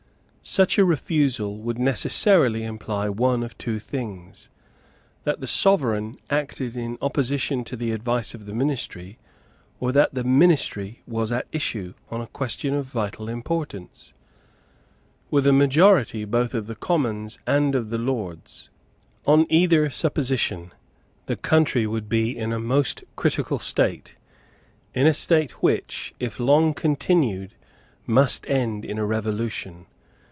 Such a refusal would necessarily imply one of two things, that the Sovereign acted in opposition to the advice of the ministry, or that the ministry was at issue, on a question of vital importance, with a majority both of the Commons and of the Lords. On either supposition the country would be in a most critical state, in a state which, if long continued, must end in a revolution.